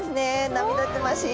涙ぐましい。